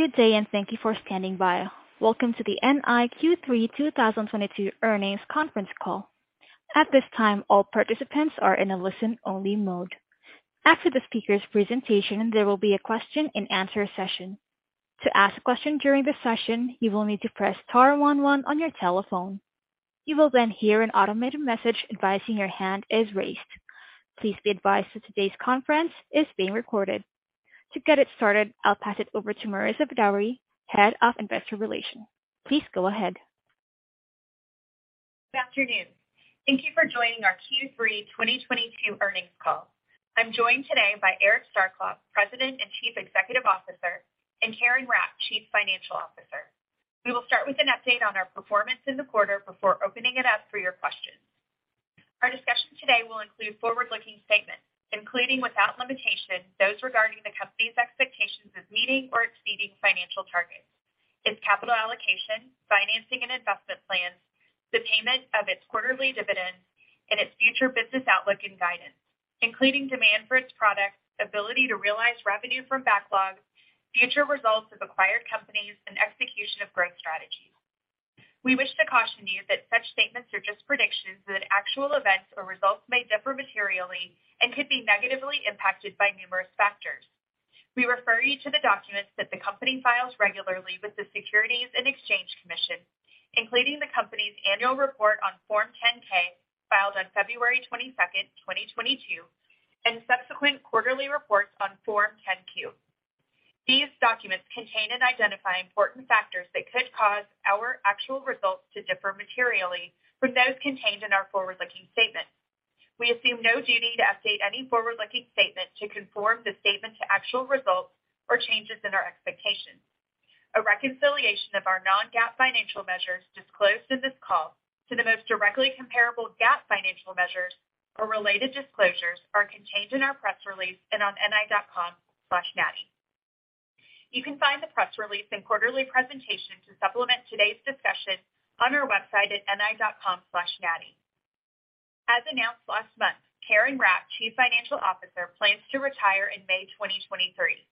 Good day, and thank you for standing by. Welcome to the NI Q3 2022 Earnings Conference Call. At this time, all participants are in a listen-only mode. After the speaker's presentation, there will be a question-and-answer session. To ask a question during the session, you will need to press star one one on your telephone. You will then hear an automated message advising your hand is raised. Please be advised that today's conference is being recorded. To get it started, I'll pass it over to Marissa Vidaurri, Head of Investor Relations. Please go ahead. Good afternoon. Thank you for joining our Q3 2022 earnings call. I'm joined today by Eric Starkloff, President and Chief Executive Officer, and Karen Rapp, Chief Financial Officer. We will start with an update on our performance in the quarter before opening it up for your questions. Our discussion today will include forward-looking statements, including, without limitation, those regarding the company's expectations of meeting or exceeding financial targets, its capital allocation, financing, and investment plans, the payment of its quarterly dividends, and its future business outlook and guidance, including demand for its products, ability to realize revenue from backlogs, future results of acquired companies, and execution of growth strategies. We wish to caution you that such statements are just predictions, that actual events or results may differ materially and could be negatively impacted by numerous factors. We refer you to the documents that the company files regularly with the Securities and Exchange Commission, including the company's annual report on Form 10-K, filed on February 22, 2022, and subsequent quarterly reports on Form 10-Q. These documents contain and identify important factors that could cause our actual results to differ materially from those contained in our forward-looking statement. We assume no duty to update any forward-looking statement to conform the statement to actual results or changes in our expectations. A reconciliation of our non-GAAP financial measures disclosed in this call to the most directly comparable GAAP financial measures or related disclosures are contained in our press release and on ni.com/nati. You can find the press release and quarterly presentation to supplement today's discussion on our website at ni.com/nati. As announced last month, Karen Rapp, Chief Financial Officer, plans to retire in May 2023.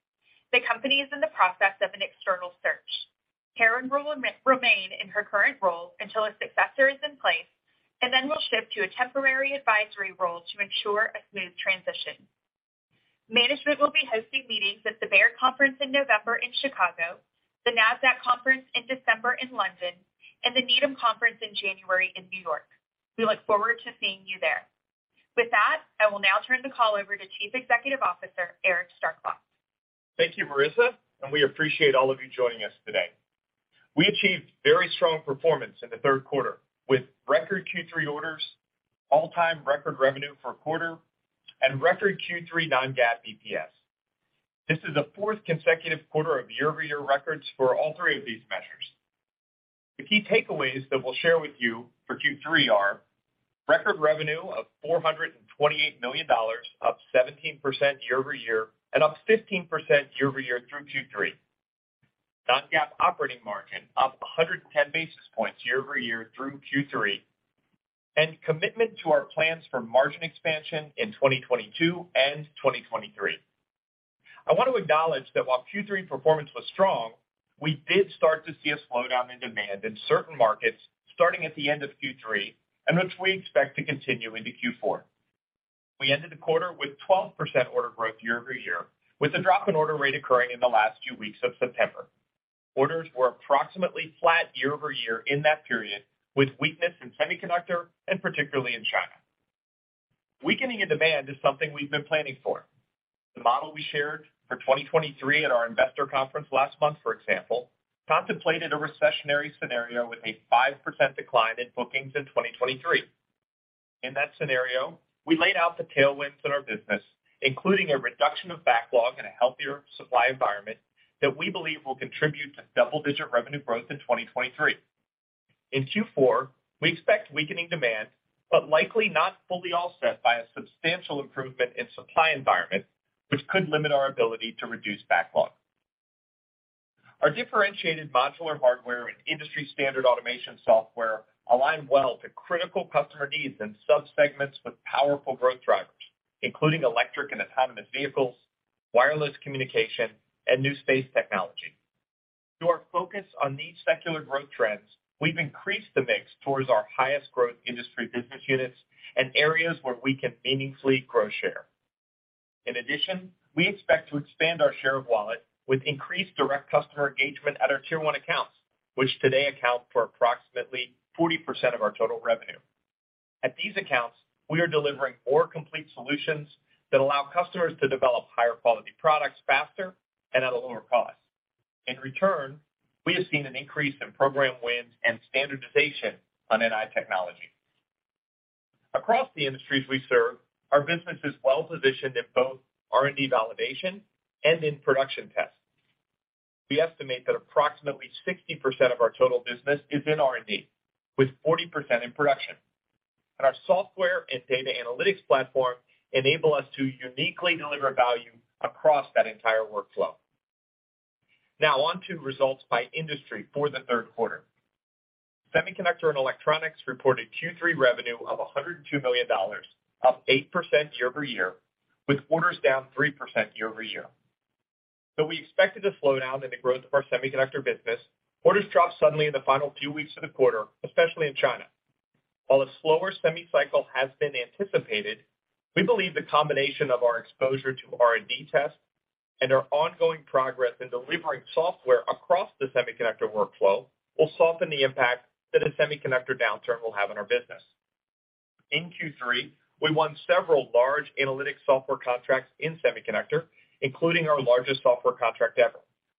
The company is in the process of an external search. Karen will remain in her current role until a successor is in place, and then will shift to a temporary advisory role to ensure a smooth transition. Management will be hosting meetings at the Baird Conference in November in Chicago, the Nasdaq Conference in December in London, and the Needham Conference in January in New York. We look forward to seeing you there. With that, I will now turn the call over to Chief Executive Officer, Eric Starkloff. Thank you, Marissa, and we appreciate all of you joining us today. We achieved very strong performance in the third quarter, with record Q3 orders, all-time record revenue for a quarter, and record Q3 non-GAAP EPS. This is the fourth consecutive quarter of year-over-year records for all three of these measures. The key takeaways that we'll share with you for Q3 are. Record revenue of $428 million, up 17% year over year, and up 15% year over year through Q3. Non-GAAP operating margin up 110 basis points year over year through Q3. Commitment to our plans for margin expansion in 2022 and 2023. I want to acknowledge that while Q3 performance was strong, we did start to see a slowdown in demand in certain markets starting at the end of Q3, and which we expect to continue into Q4. We ended the quarter with 12% order growth year-over-year, with the drop in order rate occurring in the last few weeks of September. Orders were approximately flat year-over-year in that period, with weakness in semiconductor and particularly in China. Weakening in demand is something we've been planning for. The model we shared for 2023 at our investor conference last month, for example, contemplated a recessionary scenario with a 5% decline in bookings in 2023. In that scenario, we laid out the tailwinds in our business, including a reduction of backlog and a healthier supply environment that we believe will contribute to double-digit revenue growth in 2023. In Q4, we expect weakening demand, but likely not fully offset by a substantial improvement in supply environment, which could limit our ability to reduce backlog. Our differentiated modular hardware and industry-standard automation software align well to critical customer needs in subsegments with powerful growth drivers, including electric and autonomous vehicles, wireless communication, and new space technology. Through our focus on these secular growth trends, we've increased the mix towards our highest growth industry business units and areas where we can meaningfully grow share. In addition, we expect to expand our share of wallet with increased direct customer engagement at our tier one accounts, which today account for approximately 40% of our total revenue. At these accounts, we are delivering more complete solutions that allow customers to develop higher quality products faster and at a lower cost. In return, we have seen an increase in program wins and standardization on NI technology. Across the industries we serve, our business is well-positioned in both R&D validation and in production tests. We estimate that approximately 60% of our total business is in R&D, with 40% in production. Our software and data analytics platform enable us to uniquely deliver value across that entire workflow. Now on to results by industry for the third quarter. Semiconductor and electronics reported Q3 revenue of $102 million, up 8% year-over-year, with orders down 3% year-over-year. Though we expected a slowdown in the growth of our semiconductor business, orders dropped suddenly in the final few weeks of the quarter, especially in China. While a slower semi cycle has been anticipated, we believe the combination of our exposure to R&D test and our ongoing progress in delivering software across the semiconductor workflow will soften the impact that a semiconductor downturn will have on our business. In Q3, we won several large analytics software contracts in semiconductor, including our largest software contract ever,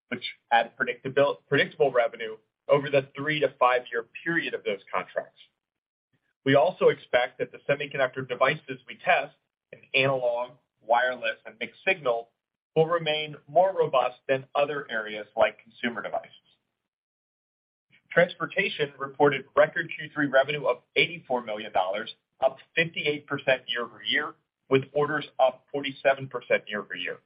which adds predictable revenue over the three to five-year period of those contracts. We also expect that the semiconductor devices we test in analog, wireless, and mixed signal will remain more robust than other areas like consumer devices. Transportation reported record Q3 revenue of $84 million, up 58% year-over-year, with orders up 47% year-over-year.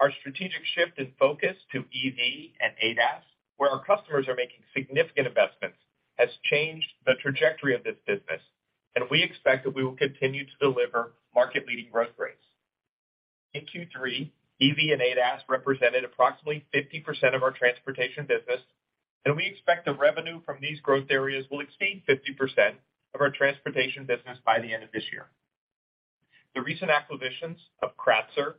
Our strategic shift in focus to EV and ADAS, where our customers are making significant investments, has changed the trajectory of this business, and we expect that we will continue to deliver market-leading growth rates. In Q3, EV and ADAS represented approximately 50% of our transportation business, and we expect the revenue from these growth areas will exceed 50% of our transportation business by the end of this year. The recent acquisitions of Kratzer,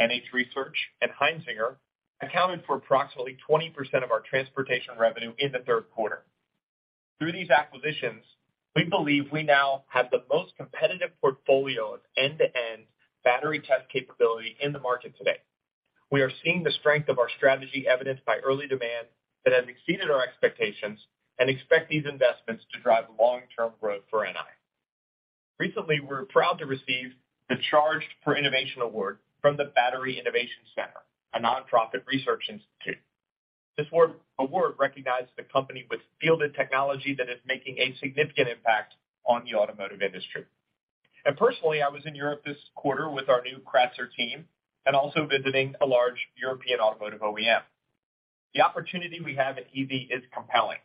NH Research, and Heinzinger accounted for approximately 20% of our transportation revenue in the third quarter. Through these acquisitions, we believe we now have the most competitive portfolio of end-to-end battery test capability in the market today. We are seeing the strength of our strategy evidenced by early demand that has exceeded our expectations and expect these investments to drive long-term growth for NI. Recently, we're proud to receive the Charged for Innovation award from the Battery Innovation Center, a nonprofit research institute. This award recognized the company with fielded technology that is making a significant impact on the automotive industry. Personally, I was in Europe this quarter with our new Kratzer team and also visiting a large European automotive OEM. The opportunity we have at EV is compelling.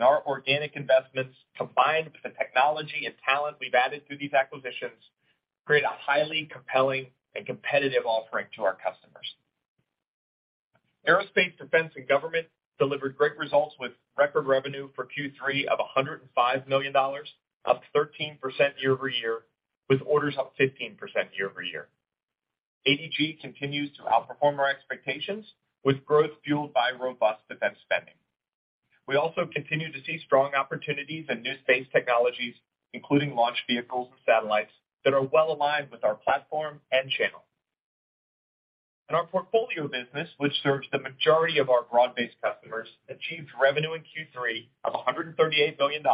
Our organic investments, combined with the technology and talent we've added through these acquisitions, create a highly compelling and competitive offering to our customers. Aerospace, Defense, and Government delivered great results with record revenue for Q3 of $105 million, up 13% year-over-year, with orders up 15% year-over-year. ADG continues to outperform our expectations with growth fueled by robust defense spending. We also continue to see strong opportunities in new space technologies, including launch vehicles and satellites that are well-aligned with our platform and channel. In our portfolio business, which serves the majority of our broad-based customers, achieved revenue in Q3 of $138 million,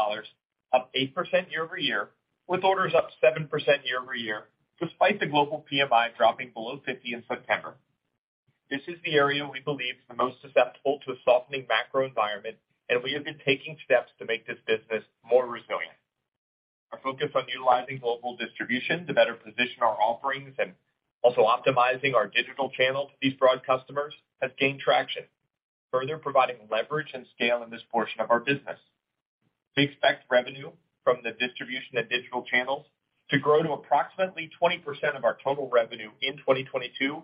up 8% year-over-year, with orders up 7% year-over-year, despite the global PMI dropping below 50 in September. This is the area we believe is the most susceptible to a softening macro environment, and we have been taking steps to make this business more resilient. Our focus on utilizing global distribution to better position our offerings and also optimizing our digital channel to these broad customers has gained traction, further providing leverage and scale in this portion of our business. We expect revenue from the distribution and digital channels to grow to approximately 20% of our total revenue in 2022,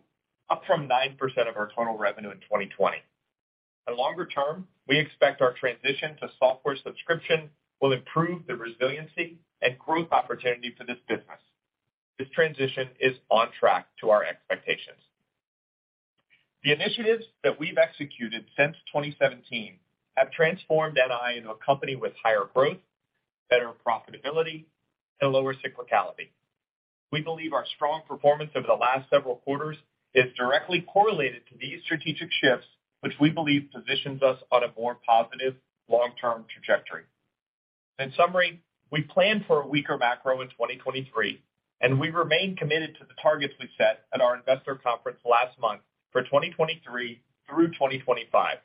up from 9% of our total revenue in 2020. Longer term, we expect our transition to software subscription will improve the resiliency and growth opportunity for this business. This transition is on track to our expectations. The initiatives that we've executed since 2017 have transformed NI into a company with higher growth, better profitability, and lower cyclicality. We believe our strong performance over the last several quarters is directly correlated to these strategic shifts, which we believe positions us on a more positive long-term trajectory. In summary, we plan for a weaker macro in 2023, and we remain committed to the targets we set at our investor conference last month for 2023 through 2025.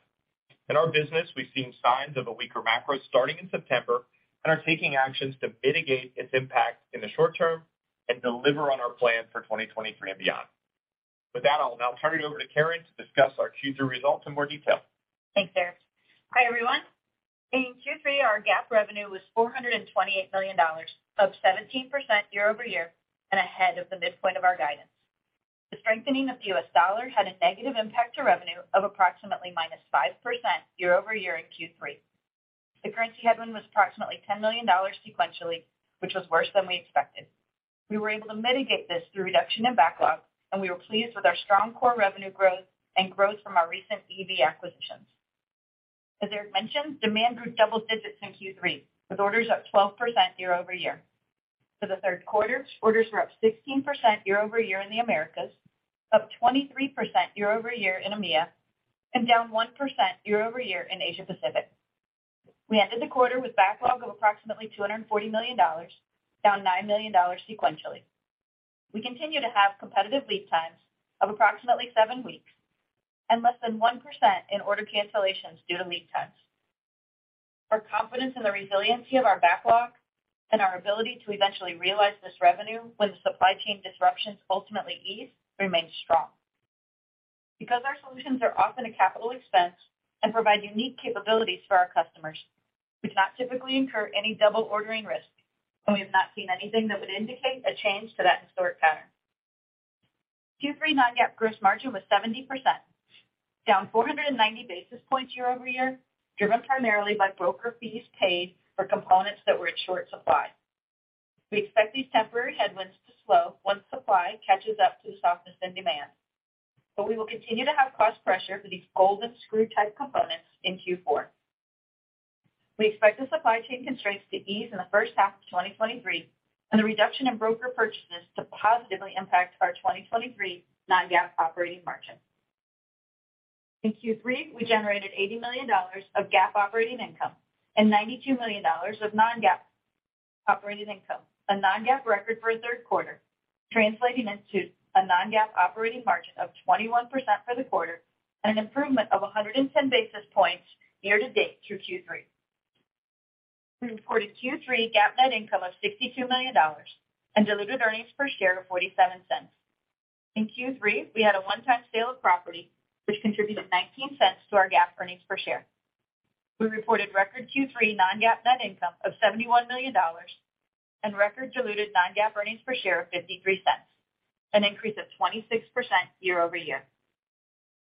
In our business, we've seen signs of a weaker macro starting in September and are taking actions to mitigate its impact in the short term and deliver on our plan for 2023 and beyond. With that, I'll now turn it over to Karen to discuss our Q3 results in more detail. Thanks, Eric. Hi, everyone. In Q3, our GAAP revenue was $428 million, up 17% year-over-year and ahead of the midpoint of our guidance. The strengthening of the US dollar had a negative impact to revenue of approximately -5% year-over-year in Q3. The currency headwind was approximately $10 million sequentially, which was worse than we expected. We were able to mitigate this through reduction in backlog, and we were pleased with our strong core revenue growth and growth from our recent EV acquisitions. As Eric mentioned, demand grew double digits in Q3, with orders up 12% year-over-year. For the third quarter, orders were up 16% year-over-year in the Americas, up 23% year-over-year in EMEA, and down 1% year-over-year in Asia Pacific. We ended the quarter with backlog of approximately $240 million, down $9 million sequentially. We continue to have competitive lead times of approximately seven weeks and less than 1% in order cancellations due to lead times. Our confidence in the resiliency of our backlog and our ability to eventually realize this revenue when supply chain disruptions ultimately ease remains strong. Because our solutions are often a capital expense and provide unique capabilities for our customers, we do not typically incur any double ordering risk, and we have not seen anything that would indicate a change to that historic pattern. Q3 non-GAAP gross margin was 70%, down 490 basis points year-over-year, driven primarily by broker fees paid for components that were in short supply. We expect these temporary headwinds to slow once supply catches up to the softness in demand. We will continue to have cost pressure for these golden screw-type components in Q4. We expect the supply chain constraints to ease in the first half of 2023, and the reduction in broker purchases to positively impact our 2023 non-GAAP operating margin. In Q3, we generated $80 million of GAAP operating income, and $92 million of non-GAAP operating income, a non-GAAP record for a third quarter, translating into a non-GAAP operating margin of 21% for the quarter, and an improvement of 110 basis points year-to-date through Q3. We reported Q3 GAAP net income of $62 million and diluted earnings per share of $0.47. In Q3, we had a one-time sale of property, which contributed $0.19 to our GAAP earnings per share. We reported record Q3 non-GAAP net income of $71 million and record diluted non-GAAP earnings per share of $0.53, an increase of 26% year-over-year.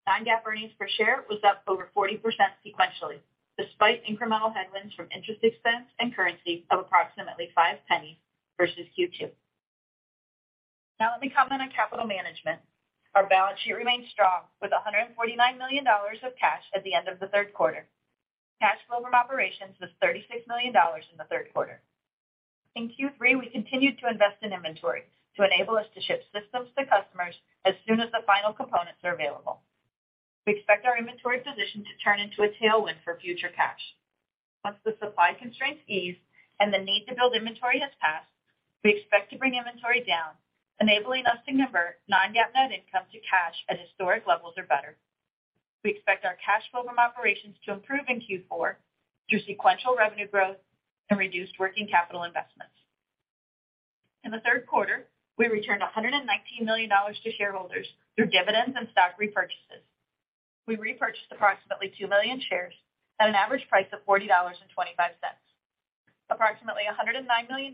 Non-GAAP earnings per share was up over 40% sequentially, despite incremental headwinds from interest expense and currency of approximately $0.05 versus Q2. Now let me comment on capital management. Our balance sheet remains strong with $149 million of cash at the end of the third quarter. Cash flow from operations was $36 million in the third quarter. In Q3, we continued to invest in inventory to enable us to ship systems to customers as soon as the final components are available. We expect our inventory position to turn into a tailwind for future cash. Once the supply constraints ease and the need to build inventory has passed, we expect to bring inventory down, enabling us to convert non-GAAP net income to cash at historic levels or better. We expect our cash flow from operations to improve in Q4 through sequential revenue growth and reduced working capital investments. In the third quarter, we returned $119 million to shareholders through dividends and stock repurchases. We repurchased approximately 2 million shares at an average price of $40.25. Approximately $109 million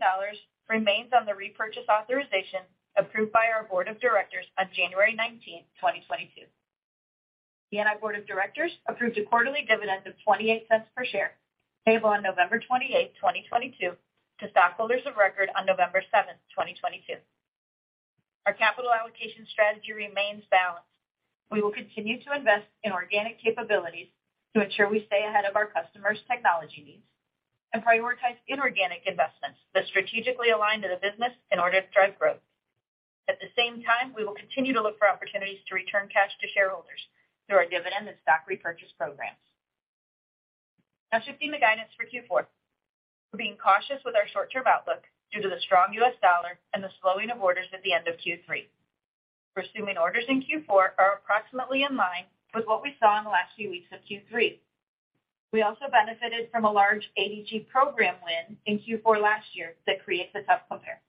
remains on the repurchase authorization approved by our board of directors on January 19, 2022. The NI board of directors approved a quarterly dividend of $0.28 per share, payable on November 28, 2022 to stockholders of record on November 7, 2022. Our capital allocation strategy remains balanced. We will continue to invest in organic capabilities to ensure we stay ahead of our customers' technology needs and prioritize inorganic investments that strategically align to the business in order to drive growth. At the same time, we will continue to look for opportunities to return cash to shareholders through our dividend and stock repurchase programs. Now shifting to guidance for Q4. We're being cautious with our short-term outlook due to the strong U.S. dollar and the slowing of orders at the end of Q3. We're assuming orders in Q4 are approximately in line with what we saw in the last few weeks of Q3. We also benefited from a large ADG program win in Q4 last year that creates a tough compare.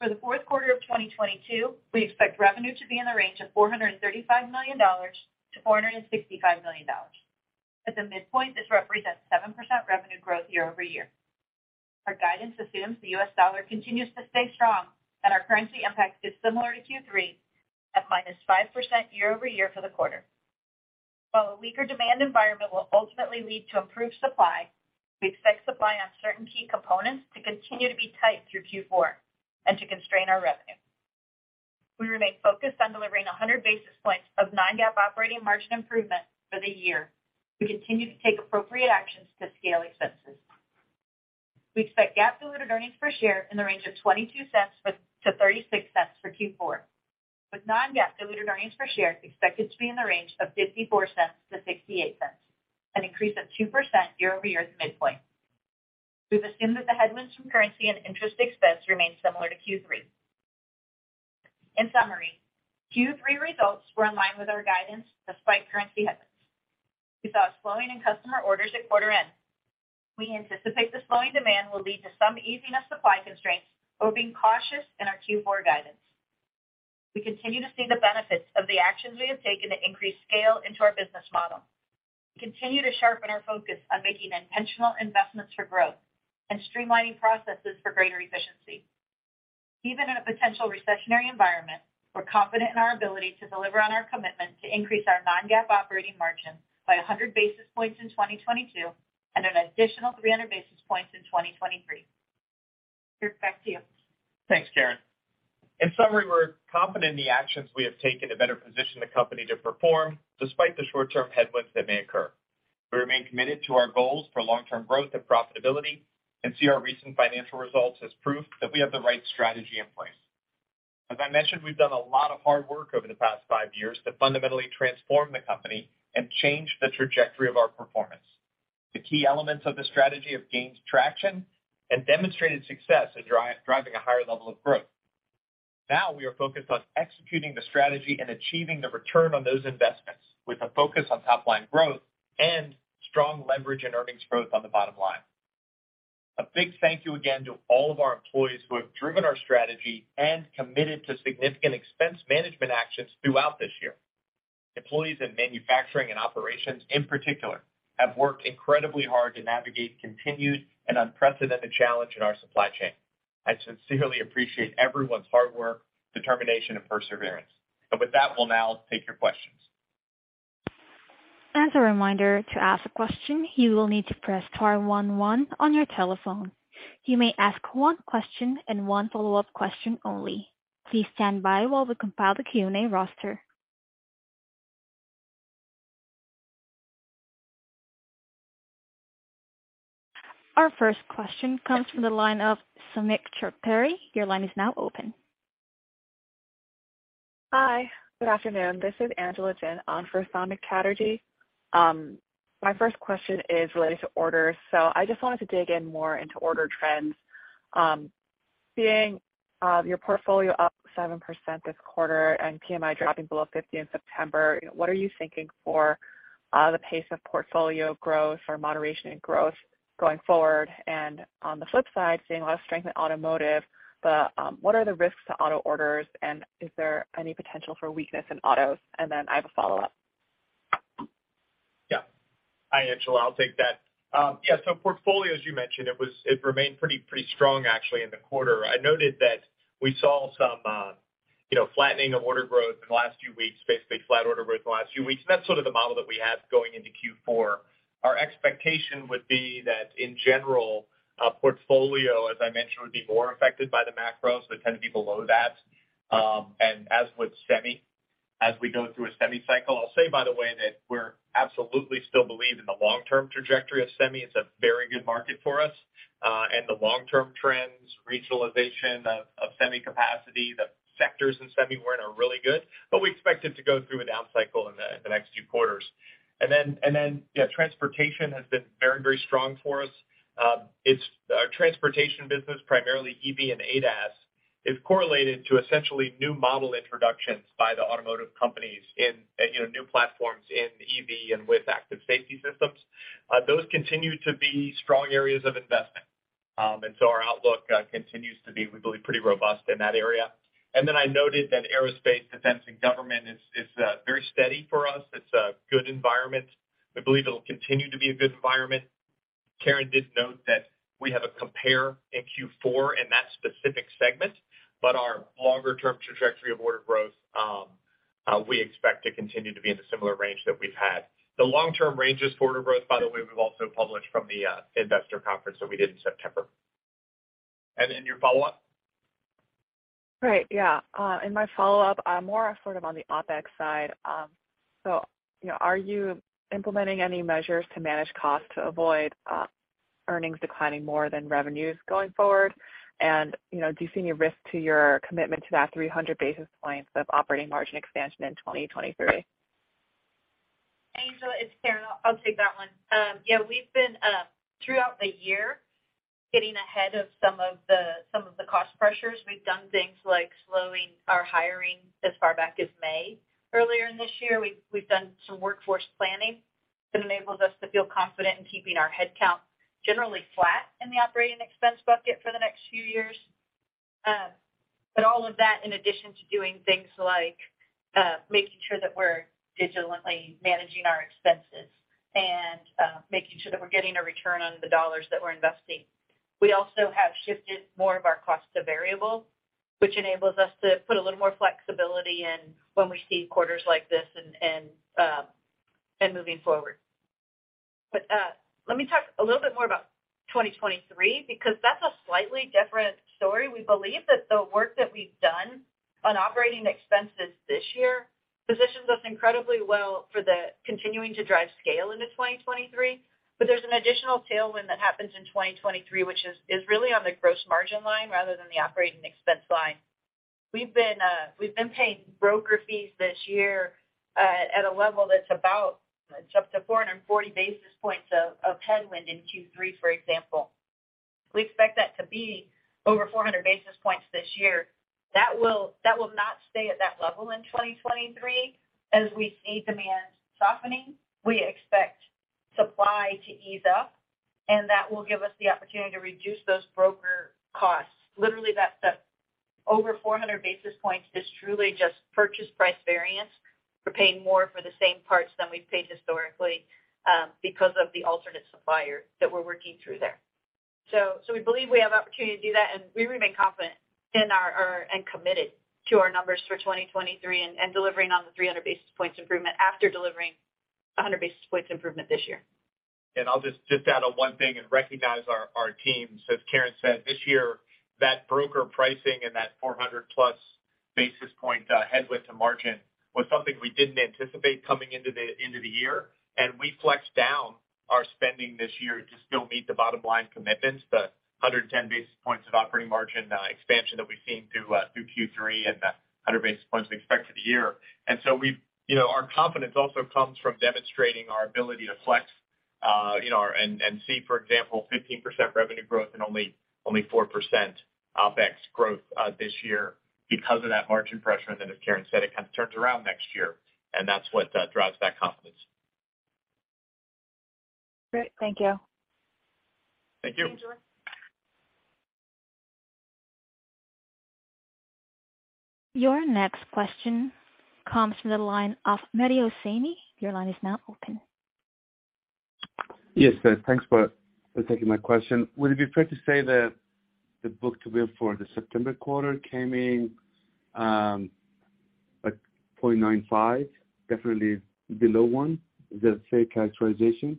For the fourth quarter of 2022, we expect revenue to be in the range of $435 million-$465 million. At the midpoint, this represents 7% revenue growth year-over-year. Our guidance assumes the US dollar continues to stay strong and our currency impact is similar to Q3 at -5% year-over-year for the quarter. While a weaker demand environment will ultimately lead to improved supply, we expect supply on certain key components to continue to be tight through Q4 and to constrain our revenue. We remain focused on delivering 100 basis points of non-GAAP operating margin improvement for the year. We continue to take appropriate actions to scale expenses. We expect GAAP diluted earnings per share in the range of $0.22-$0.36 for Q4, with non-GAAP diluted earnings per share expected to be in the range of $0.54-$0.68, an increase of 2% year-over-year at the midpoint. We've assumed that the headwinds from currency and interest expense remain similar to Q3. In summary, Q3 results were in line with our guidance despite currency headwinds. We saw a slowing in customer orders at quarter end. We anticipate the slowing demand will lead to some easing of supply constraints, but we're being cautious in our Q4 guidance. We continue to see the benefits of the actions we have taken to increase scale into our business model. We continue to sharpen our focus on making intentional investments for growth and streamlining processes for greater efficiency. Even in a potential recessionary environment, we're confident in our ability to deliver on our commitment to increase our non-GAAP operating margin by 100 basis points in 2022 and an additional 300 basis points in 2023. Kirk, back to you. Thanks, Karen. In summary, we're confident in the actions we have taken to better position the company to perform despite the short-term headwinds that may occur. We remain committed to our goals for long-term growth and profitability and see our recent financial results as proof that we have the right strategy in place. As I mentioned, we've done a lot of hard work over the past five years to fundamentally transform the company and change the trajectory of our performance. The key elements of the strategy have gained traction and demonstrated success in driving a higher level of growth. Now we are focused on executing the strategy and achieving the return on those investments with a focus on top line growth and strong leverage and earnings growth on the bottom line. A big thank you again to all of our employees who have driven our strategy and committed to significant expense management actions throughout this year. Employees in manufacturing and operations, in particular, have worked incredibly hard to navigate continued and unprecedented challenge in our supply chain. I sincerely appreciate everyone's hard work, determination, and perseverance. With that, we'll now take your questions. As a reminder, to ask a question, you will need to press star one one on your telephone. You may ask one question and one follow-up question only. Please stand by while we compile the Q&A roster. Our first question comes from the line of Samik Chatterjee. Your line is now open. Hi. Good afternoon. This is Angela Jin on for Samik Chatterjee. My first question is related to orders. I just wanted to dig in more into order trends. Seeing your portfolio up 7% this quarter and PMI dropping below 50 in September, what are you thinking for the pace of portfolio growth or moderation in growth going forward? On the flip side, seeing a lot of strength in automotive, but what are the risks to auto orders, and is there any potential for weakness in autos? Then I have a follow-up. Yeah. Hi, Angela Jin. I'll take that. Yeah, so portfolio, as you mentioned, it remained pretty strong actually in the quarter. I noted that we saw some, you know, flattening of order growth in the last few weeks, basically flat order growth in the last few weeks, and that's sort of the model that we have going into Q4. Our expectation would be that in general, our portfolio, as I mentioned, would be more affected by the macro, so it tend to be below that, and as would semi, as we go through a semi cycle. I'll say, by the way, that we're absolutely still believe in the long-term trajectory of semi. It's a very good market for us, and the long-term trends, regionalization of semi capacity, the sectors in semi weren't all really good, but we expect it to go through a down cycle in the next few quarters. Transportation has been very strong for us. It's our transportation business, primarily EV and ADAS, is correlated to essentially new model introductions by the automotive companies in, you know, new platforms in EV and with active safety systems. Those continue to be strong areas of investment. Our outlook continues to be, we believe, pretty robust in that area. I noted that aerospace, defense, and government is very steady for us. It's a good environment. We believe it'll continue to be a good environment. Karen did note that we have a compare in Q4 in that specific segment, but our longer term trajectory of order growth, we expect to continue to be in the similar range that we've had. The long-term ranges for order growth, by the way, we've also published from the investor conference that we did in September. Your follow-up. Right. Yeah. In my follow-up, I'm more sort of on the OpEx side. So, you know, are you implementing any measures to manage costs to avoid earnings declining more than revenues going forward? You know, do you see any risk to your commitment to that 300 basis points of operating margin expansion in 2023? Angela Jin, it's Karen Rapp. I'll take that one. Yeah, we've been throughout the year getting ahead of some of the cost pressures. We've done things like slowing our hiring as far back as May. Earlier in this year, we've done some workforce planning that enables us to feel confident in keeping our headcount generally flat in the operating expense bucket for the next few years. All of that in addition to doing things like making sure that we're diligently managing our expenses and making sure that we're getting a return on the dollars that we're investing. We also have shifted more of our costs to variable, which enables us to put a little more flexibility in when we see quarters like this and moving forward. Let me talk a little bit more about 2023 because that's a slightly different story. We believe that the work that we've done on operating expenses this year positions us incredibly well for the continuing to drive scale into 2023. But there's an additional tailwind that happens in 2023, which is really on the gross margin line rather than the operating expense line. We've been paying broker fees this year at a level that's about up to 440 basis points of headwind in Q3, for example. We expect that to be over 400 basis points this year. That will not stay at that level in 2023. As we see demand softening, we expect supply to ease up, and that will give us the opportunity to reduce those broker costs. Literally, that's the over 400 basis points is truly just purchase price variance. We're paying more for the same parts than we've paid historically, because of the alternate supplier that we're working through there. We believe we have opportunity to do that, and we remain confident in our and committed to our numbers for 2023 and delivering on the 300 basis points improvement after delivering a 100 basis points improvement this year. I'll just add on one thing and recognize our teams. As Karen said, this year, that broker pricing and that 400+ basis point headwind to margin was something we didn't anticipate coming into the year. We flexed down our spending this year to still meet the bottom line commitments, the 110 basis points of operating margin expansion that we've seen through Q3 and the 100 basis points we expect for the year. We've you know, our confidence also comes from demonstrating our ability to flex, you know, and see, for example, 15% revenue growth and only 4% OpEx growth, this year because of that margin pressure. Then as Karen said, it kind of turns around next year, and that's what drives that confidence. Great. Thank you. Thank you. Your next question comes from the line of Mehdi Hosseini. Your line is now open. Yes, thanks for taking my question. Would it be fair to say that the book-to-bill for the September quarter came in, like 0.95, definitely below one? Is that a fair characterization?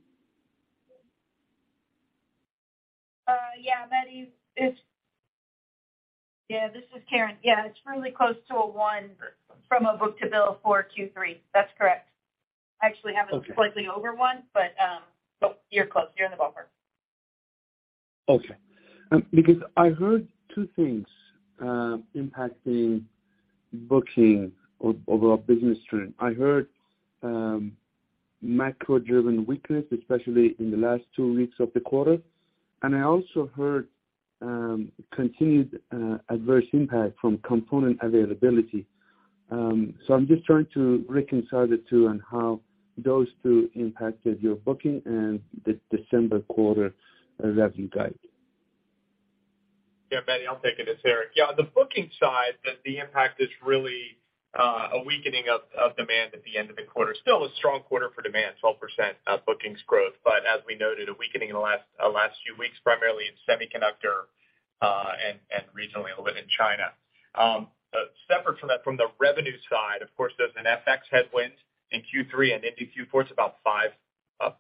Yeah, Mehdi, this is Karen. Yeah, it's really close to a one from a book-to-bill for Q3. That's correct. Actually have it slightly over one, but you're close. You're in the ballpark. Okay, because I heard two things impacting booking overall business trend. I heard macro-driven weakness, especially in the last two weeks of the quarter. I also heard continued adverse impact from component availability. I'm just trying to reconcile the two and how those two impacted your booking and the December quarter revenue guide. Yeah, Mehdi, I'll take it. It's Eric. Yeah, the booking side, the impact is really a weakening of demand at the end of the quarter. Still a strong quarter for demand, 12% bookings growth. As we noted, a weakening in the last few weeks, primarily in semiconductor and regionally a little bit in China. Separate from that, from the revenue side, of course, there's an FX headwind in Q3 and into Q4. It's about five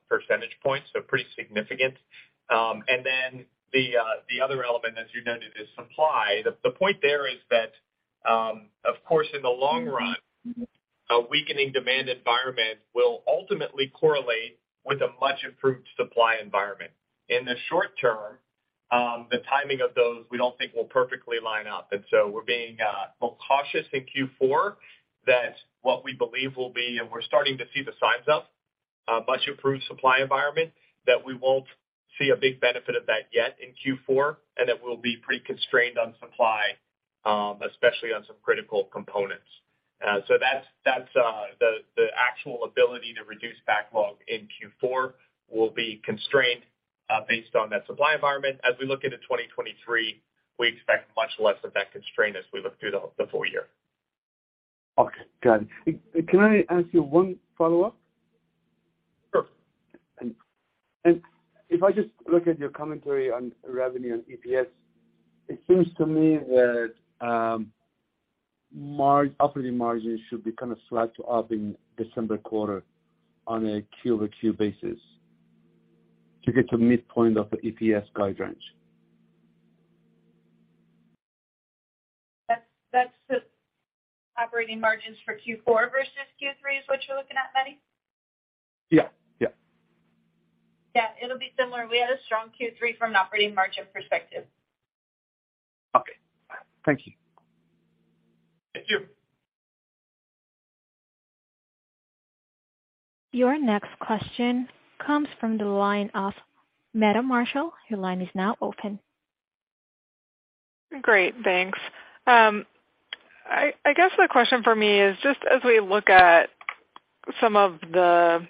percentage points, so pretty significant. Then the other element, as you noted, is supply. The point there is that, of course, in the long run, a weakening demand environment will ultimately correlate with a much improved supply environment. In the short term, the timing of those we don't think will perfectly line up. We're being more cautious in Q4 than what we believe will be, and we're starting to see the signs of a much improved supply environment, that we won't see a big benefit of that yet in Q4, and it will be pretty constrained on supply, especially on some critical components. That's the actual ability to reduce backlog in Q4 will be constrained based on that supply environment. As we look into 2023, we expect much less of that constraint as we look through the full year. Okay, got it. Can I ask you one follow-up? Sure. If I just look at your commentary on revenue and EPS, it seems to me that operating margins should be kind of flat to up in December quarter on a Q-over-Q basis to get to midpoint of the EPS guide range. That's the operating margins for Q4 versus Q3, is what you're looking at, Mehdi? Yeah. Yeah. Yeah, it'll be similar. We had a strong Q3 from an operating margin perspective. Okay. Thank you. Thank you. Your next question comes from the line of Meta Marshall. Your line is now open. Great. Thanks. I guess the question for me is just as we look at some of the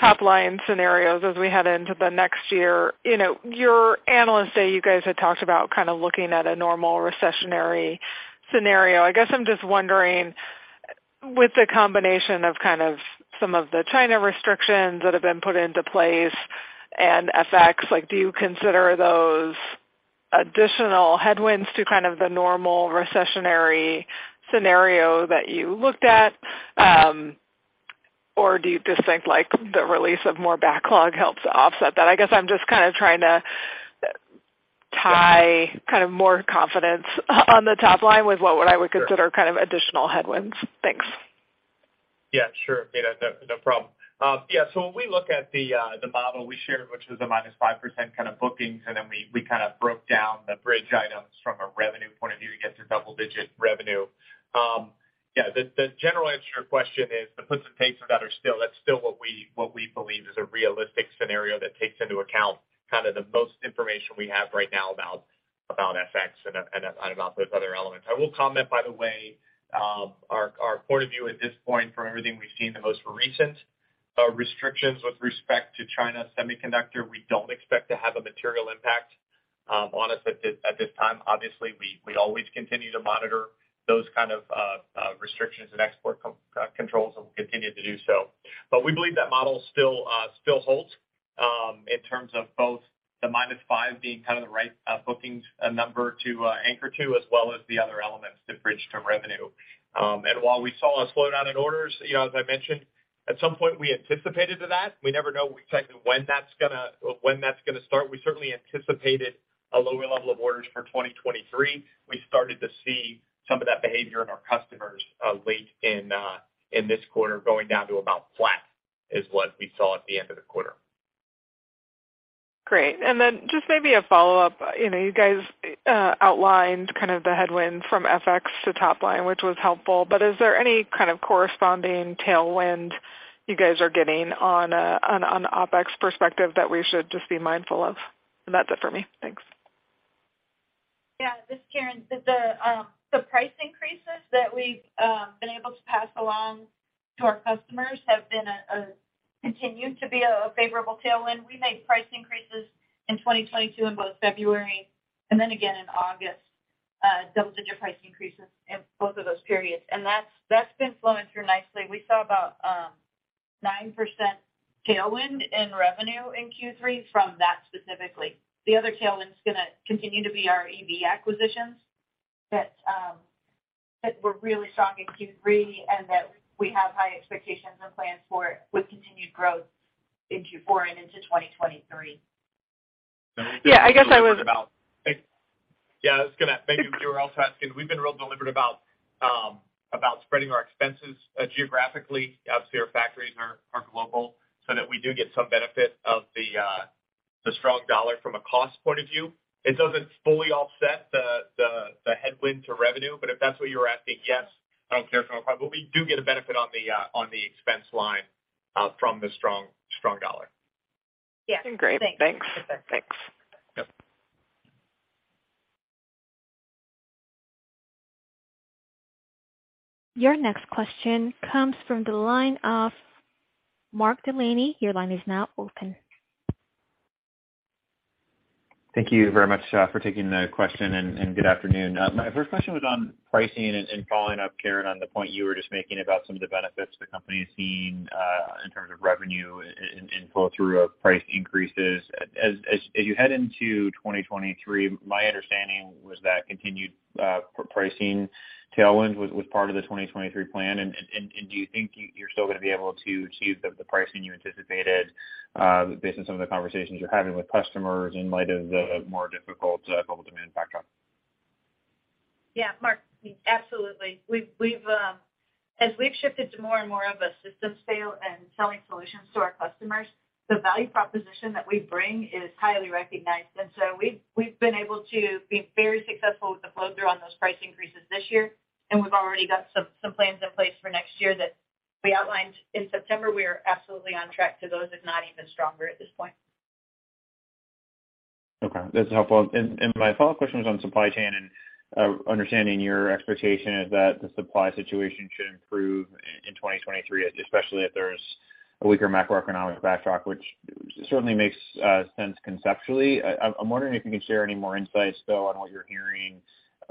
top-line scenarios as we head into the next year, you know, your analysts say you guys had talked about kind of looking at a normal recessionary scenario. I guess I'm just wondering, with the combination of kind of some of the China restrictions that have been put into place and FX, like, do you consider those additional headwinds to kind of the normal recessionary scenario that you looked at? Or do you just think, like, the release of more backlog helps offset that? I guess I'm just kind of trying to tie kind of more confidence on the top line with what I would consider kind of additional headwinds. Thanks. Yeah, sure, Meta. No problem. Yeah, so when we look at the model we shared, which is the -5% kind of bookings, and then we kind of broke down the bridge items from a revenue point of view to get to double-digit revenue. Yeah, the general answer to your question is the puts and takes of that are still that's still what we believe is a realistic scenario that takes into account kind of the most information we have right now about FX and about those other elements. I will comment, by the way, our point of view at this point from everything we've seen the most recent restrictions with respect to China semiconductor, we don't expect to have a material impact on us at this time. Obviously, we always continue to monitor those kind of restrictions and export controls and will continue to do so. We believe that model still holds in terms of both the -5 being kind of the right bookings number to anchor to, as well as the other elements to bridge to revenue. While we saw a slowdown in orders, you know, as I mentioned, at some point we anticipated that. We never know exactly when that's going to start. We certainly anticipated a lower level of orders for 2023. We started to see some of that behavior in our customers late in this quarter, going down to about flat is what we saw at the end of the quarter. Great. Just maybe a follow-up. You know, you guys outlined kind of the headwind from FX to top line, which was helpful, but is there any kind of corresponding tailwind you guys are getting on the OpEx perspective that we should just be mindful of? That's it for me. Thanks. Yeah, this is Karen. The price increases that we've been able to pass along to our customers have continued to be a favorable tailwind. We made price increases in 2022 in both February and then again in August, double-digit price increases in both of those periods. That's been flowing through nicely. We saw about 9% tailwind in revenue in Q3 from that specifically. The other tailwind's going to continue to be our EV acquisitions that were really strong in Q3, and that we have high expectations and plans for with continued growth in Q4 and into 2023. Yeah, I guess I was- Yeah, maybe what you were also asking. We've been real deliberate about spreading our expenses geographically. Obviously our factories are global, so that we do get some benefit of the strong dollar from a cost point of view. It doesn't fully offset the headwind to revenue. If that's what you were asking, yes, I don't think there's no problem. We do get a benefit on the expense line from the strong dollar. Yeah. Great. Thanks. Thanks. Yep. Your next question comes from the line of Mark Delaney. Your line is now open. Thank you very much for taking the question and good afternoon. My first question was on pricing and following up, Karen, on the point you were just making about some of the benefits the company is seeing in terms of revenue and flow through of price increases. As you head into 2023, my understanding was that continued pricing tailwind was part of the 2023 plan. Do you think you're still going to be able to achieve the pricing you anticipated based on some of the conversations you're having with customers in light of the more difficult global demand backdrop? Yeah. Mark, absolutely. As we've shifted to more and more of a systems sale and selling solutions to our customers, the value proposition that we bring is highly recognized. We've been able to be very successful with the flow through on those price increases this year, and we've already got some plans in place for next year that we outlined in September. We are absolutely on track to those, if not even stronger at this point. Okay, that's helpful. My follow-up question was on supply chain and understanding your expectation is that the supply situation should improve in 2023, especially if there's a weaker macroeconomic backdrop, which certainly makes sense conceptually. I'm wondering if you can share any more insights, though, on what you're hearing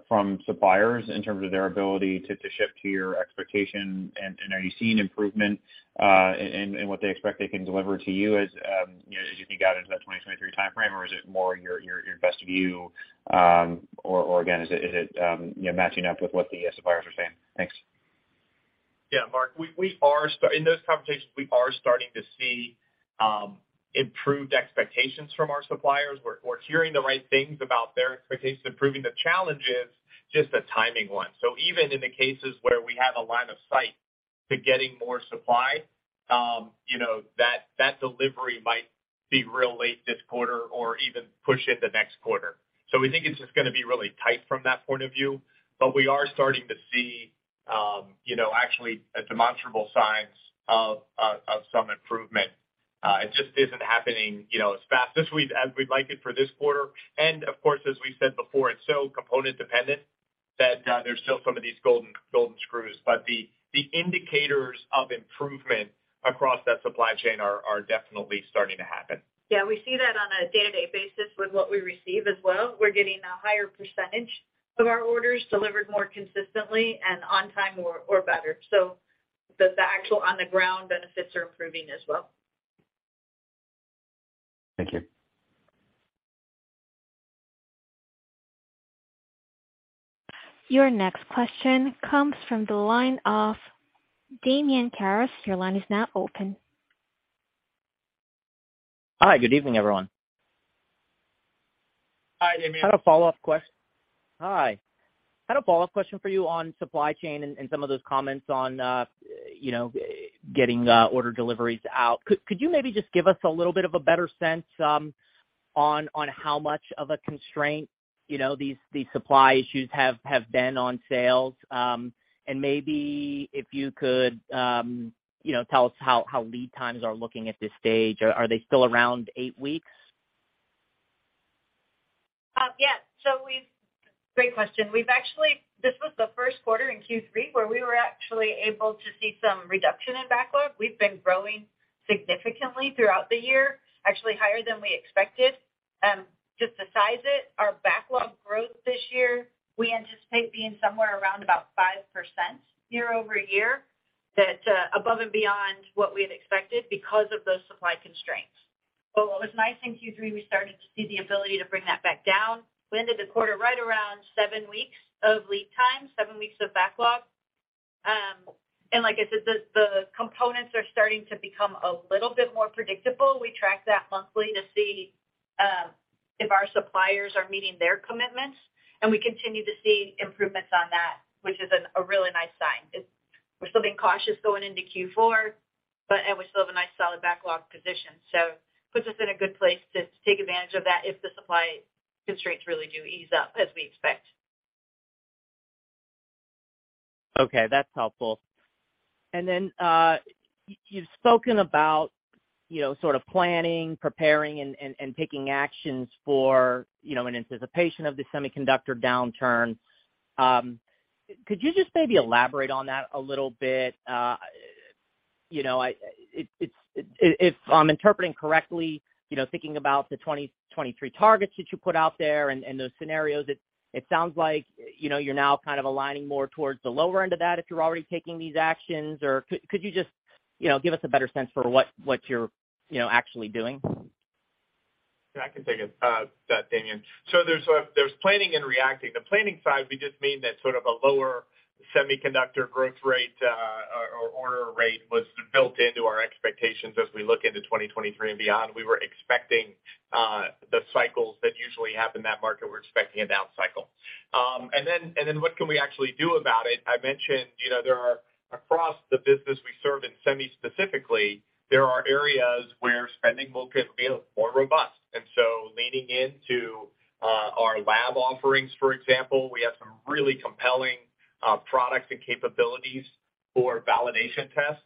from suppliers in terms of their ability to ship to your expectation. Are you seeing improvement in what they expect they can deliver to you as you know, as you think out into that 2023 timeframe? Or is it more your best view, or again, is it, you know, matching up with what the suppliers are saying? Thanks. Yeah, Mark, in those conversations, we are starting to see improved expectations from our suppliers. We're hearing the right things about their expectations improving. The challenge is just a timing one. Even in the cases where we have a line of sight to getting more supply, you know, that delivery might be real late this quarter or even push into next quarter. We think it's just going to be really tight from that point of view. We are starting to see, you know, actually demonstrable signs of some improvement. It just isn't happening, you know, as fast as we'd like it for this quarter. Of course, as we said before, it's so component dependent that there's still some of these golden screws. The indicators of improvement across that supply chain are definitely starting to happen. Yeah, we see that on a day-to-day basis with what we receive as well. We're getting a higher percentage of our orders delivered more consistently and on time or better. The actual on-the-ground benefits are improving as well. Thank you. Your next question comes from the line of Damian Karas. Your line is now open. Hi, good evening, everyone. Hi, Damian. Hi. I had a follow-up question for you on supply chain and some of those comments on, you know, getting order deliveries out. Could you maybe just give us a little bit of a better sense on how much of a constraint, you know, these supply issues have been on sales? And maybe if you could, you know, tell us how lead times are looking at this stage. Are they still around eight weeks? Great question. This was the first quarter in Q3 where we were actually able to see some reduction in backlog. We've been growing significantly throughout the year, actually higher than we expected. Just to size it, our backlog growth this year, we anticipate being somewhere around about 5% year-over-year. That's above and beyond what we had expected because of those supply constraints. What was nice in Q3, we started to see the ability to bring that back down. We ended the quarter right around seven weeks of lead time, seven weeks of backlog. Like I said, the components are starting to become a little bit more predictable. We track that monthly to see if our suppliers are meeting their commitments, and we continue to see improvements on that, which is a really nice sign. We're still being cautious going into Q4, and we still have a nice solid backlog position. Puts us in a good place to take advantage of that if the supply constraints really do ease up as we expect. Okay, that's helpful. Then, you've spoken about, you know, sort of planning, preparing, and taking actions for, you know, in anticipation of the semiconductor downturn. Could you just maybe elaborate on that a little bit? You know, if I'm interpreting correctly, you know, thinking about the 2023 targets that you put out there and those scenarios, it sounds like, you know, you're now kind of aligning more towards the lower end of that if you're already taking these actions. Could you just, you know, give us a better sense for what you're, you know, actually doing? Yeah, I can take it, Damian. There's planning and reacting. The planning side, we just mean that sort of a lower semiconductor growth rate or order rate was built into our expectations as we look into 2023 and beyond. We were expecting the cycles that usually happen in that market. We're expecting a down cycle. What can we actually do about it? I mentioned, you know, there are across the business we serve in semi specifically, there are areas where spending will continue to be more robust. Leaning into our lab offerings, for example, we have some really compelling products and capabilities for validation tests,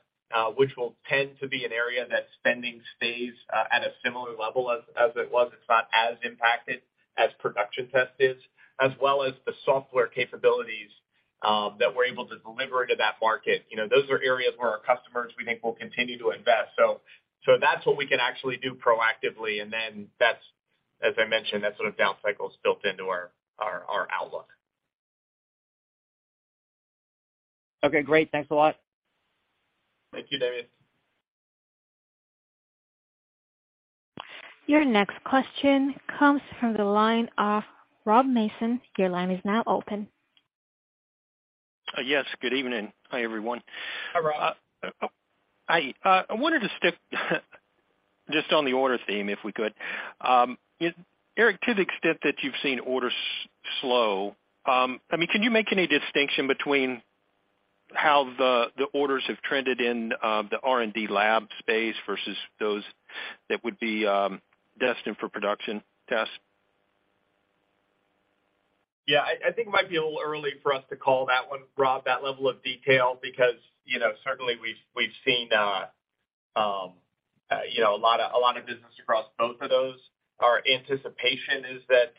which will tend to be an area that spending stays at a similar level as it was. It's not as impacted as production test is, as well as the software capabilities that we're able to deliver into that market. You know, those are areas where our customers we think will continue to invest. That's what we can actually do proactively, and then that's, as I mentioned, that sort of down cycle is built into our outlook. Okay, great. Thanks a lot. Thank you, Damian. Your next question comes from the line of Rob Mason. Your line is now open. Yes, good evening. Hi, everyone. Hi, Rob. Hi. I wanted to stick just on the orders theme, if we could. Eric, to the extent that you've seen orders slow, I mean, can you make any distinction between how the orders have trended in the R&D lab space versus those that would be destined for production tests? Yeah, I think it might be a little early for us to call that one, Rob, that level of detail because, you know, certainly we've seen you know, a lot of business across both of those. Our anticipation is that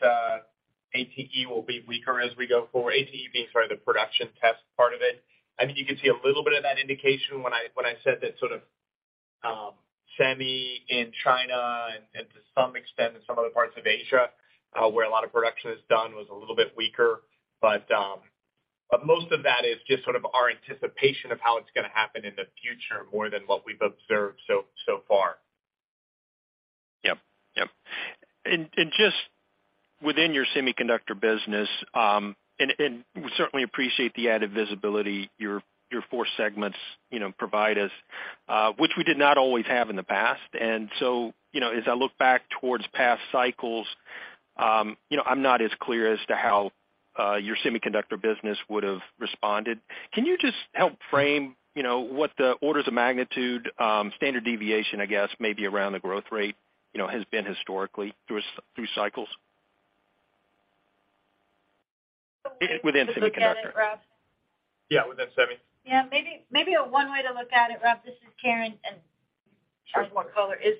ATE will be weaker as we go forward, ATE being sort of the production test part of it. I think you could see a little bit of that indication when I said that sort of semi in China and to some extent in some other parts of Asia where a lot of production is done was a little bit weaker. Most of that is just sort of our anticipation of how it's going to happen in the future more than what we've observed so far. Yep. Just within your semiconductor business, and we certainly appreciate the added visibility your four segments, you know, provide us, which we did not always have in the past. You know, as I look back towards past cycles, you know, I'm not as clear as to how your semiconductor business would've responded. Can you just help frame, you know, what the orders of magnitude, standard deviation, I guess, maybe around the growth rate, you know, has been historically through cycles within semiconductor? One way to look at it, Rob. Yeah, within semi. Yeah, maybe one way to look at it, Rob, this is Karen, and add some more color is,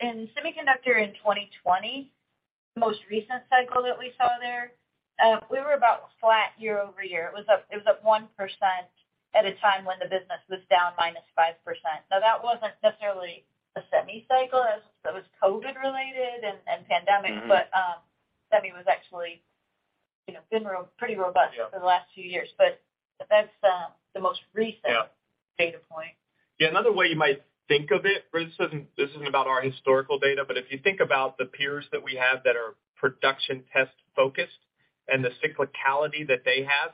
in semiconductor in 2020, the most recent cycle that we saw there, we were about flat year-over-year. It was up 1% at a time when the business was down -5%. Now, that wasn't necessarily a semi cycle as that was COVID related and pandemic. Mm-hmm. Semi was actually, you know, been pretty robust. Yeah. for the last few years. That's the most recent. Yeah. data point. Yeah. Another way you might think of it, right? This isn't about our historical data, but if you think about the peers that we have that are production test focused and the cyclicality that they have,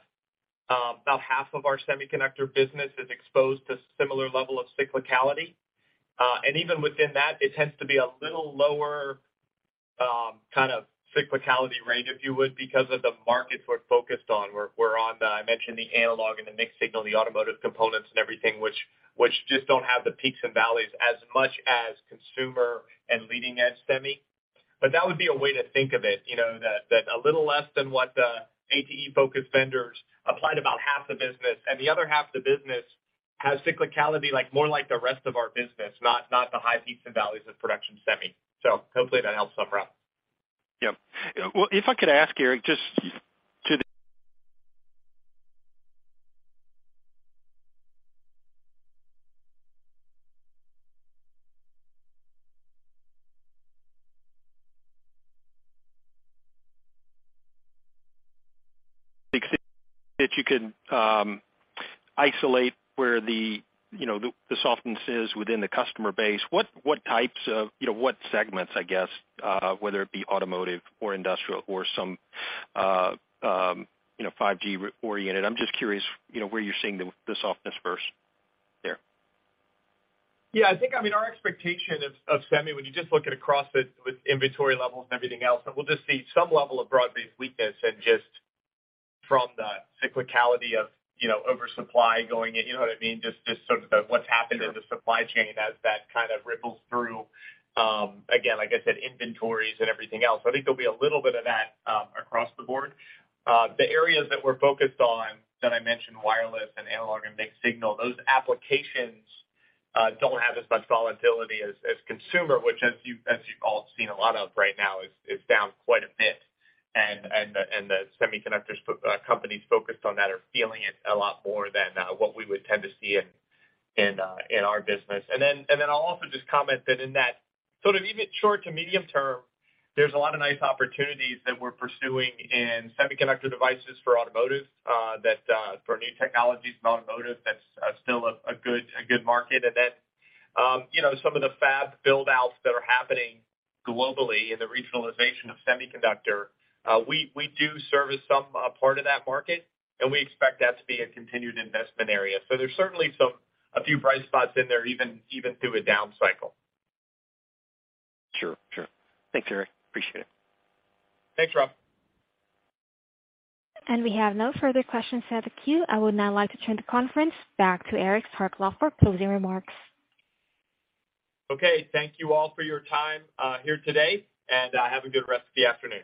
about half of our semiconductor business is exposed to similar level of cyclicality. Even within that, it tends to be a little lower kind of cyclicality range, if you would, because of the markets we're focused on. I mentioned the analog and the mixed signal, the automotive components and everything, which just don't have the peaks and valleys as much as consumer and leading edge semi. That would be a way to think of it, you know, that a little less than what the ATE-focused vendors applied about half the business, and the other half of the business has cyclicality like more like the rest of our business, not the high peaks and valleys of production semi. Hopefully that helps some, Rob. Yep. Well, if I could ask, Eric, just to the extent that you can, isolate where the, you know, the softness is within the customer base, what types of, you know, what segments, I guess, you know, 5G re-oriented. I'm just curious, you know, where you're seeing the softness first there. Yeah, I think, I mean, our expectation of semi when you just look at across the with inventory levels and everything else, that we'll just see some level of broad-based weakness and just from the cyclicality of, you know, oversupply going in. You know what I mean? Just sort of what's happened. Sure. In the supply chain as that kind of ripples through, again, like I said, inventories and everything else. I think there'll be a little bit of that across the board. The areas that we're focused on that I mentioned, wireless and analog and mixed signal, those applications don't have as much volatility as consumer, which as you've all seen a lot of right now is down quite a bit. The semiconductor companies focused on that are feeling it a lot more than what we would tend to see in our business. I'll also just comment that in that sort of even short to medium term, there's a lot of nice opportunities that we're pursuing in semiconductor devices for new technologies in automotive, that's still a good market. You know, some of the fab build-outs that are happening globally in the regionalization of semiconductor, we do service some part of that market, and we expect that to be a continued investment area. There's certainly a few bright spots in there, even through a down cycle. Sure. Thanks, Eric. Appreciate it. Thanks, Rob. We have no further questions in the queue. I would now like to turn the conference back to Eric Starkloff for closing remarks. Okay. Thank you all for your time here today, and have a good rest of the afternoon.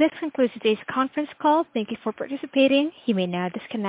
This concludes today's conference call. Thank you for participating. You may now disconnect.